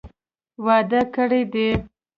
واده کړي دي.